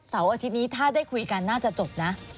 อาทิตย์นี้ถ้าได้คุยกันน่าจะจบนะ